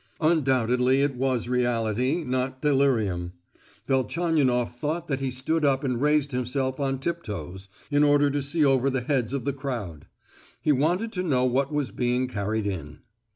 Undoubtedly it was reality, not delirium. Velchaninoff thought that he stood up and raised himself on tip toes, in order to see over the heads of the crowd. He wanted to know what was being carried in.